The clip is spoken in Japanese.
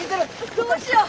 どうしよう！